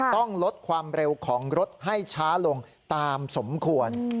ต้องลดความเร็วของรถให้ช้าลงตามสมควร